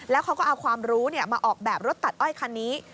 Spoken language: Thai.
แล้วเขาก็เอาความรู้มาออกแบบรถตัดอ้อยคันนี้